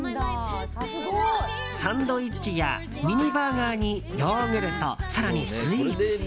サンドイッチやミニバーガーにヨーグルト、更にスイーツ。